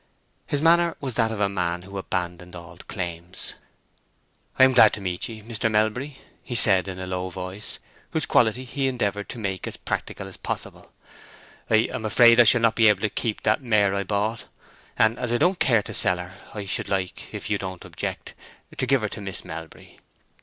His manner was that of a man who abandoned all claims. "I am glad to meet ye, Mr. Melbury," he said, in a low voice, whose quality he endeavored to make as practical as possible. "I am afraid I shall not be able to keep that mare I bought, and as I don't care to sell her, I should like—if you don't object—to give her to Miss Melbury.